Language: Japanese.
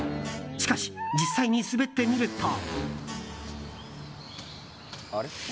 しかし、実際に滑ってみると。